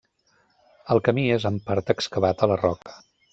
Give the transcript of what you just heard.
El camí és en part excavat a la roca.